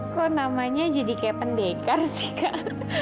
kok namanya jadi kayak pendekar sih kak